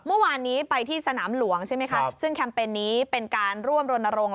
เมื่อวานนี้ไปที่สนามหลวงใช่ไหมคะซึ่งแคมเปญนี้เป็นการร่วมรณรงค